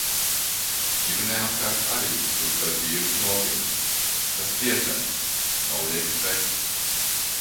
Ģimenē apkārt arī visi uztver vīrusu nopietni. Tas priecē! Nav lieka stresa.